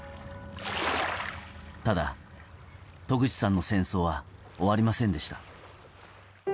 ただ、渡口さんの戦争は終わりませんでした。